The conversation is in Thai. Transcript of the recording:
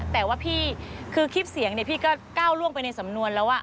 แต่ว่าพี่คือคลิปเสียงพี่ก็ก้าวล่วงไปในสำนวนแล้ว